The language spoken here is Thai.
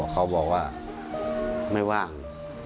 เขาบอกว่าไม่ว่าง